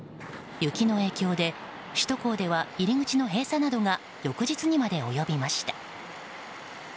雪の影響で首都高では入り口の閉鎖などが翌日にまで及びました。